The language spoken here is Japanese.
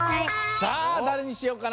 さあだれにしようかな？